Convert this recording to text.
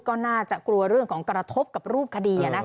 ก็น่าจะกลัวเรื่องของกระทบกับรูปคดี